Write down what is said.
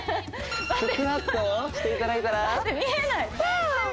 スクワットをしていただいたらワーオ！